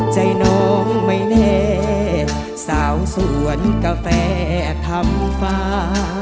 ใจน้องไม่แน่สาวสวนกาแฟทำฟ้า